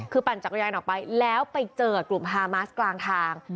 คือปั่นจักรยานออกไปแล้วไปเจอกับกลุ่มฮามาสกลางทาง